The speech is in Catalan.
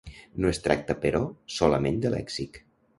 No es tracta, però, solament de lèxic.